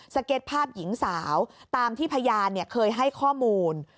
เก็ตภาพหญิงสาวตามที่พยานเคยให้ข้อมูล